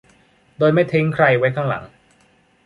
โดยไม่ทิ้งใครไว้ข้างหลัง